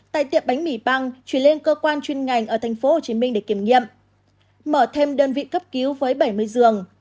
tại tiệm bánh mì băng chuyển lên cơ quan chuyên ngành ở tp hcm để kiểm nghiệm mở thêm đơn vị cấp cứu với bảy mươi giường